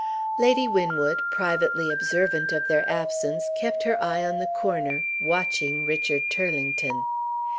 Lady Winwood (privately observant of their absence) kept her eye on the corner, watching Richard Turlington.